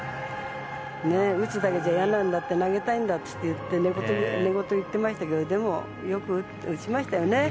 打つだけじゃいやなんだ投げたいんだって寝言、言ってましたけどもよく打ちましたよね。